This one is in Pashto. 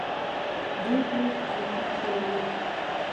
دوی به یې په الحاد تورنول.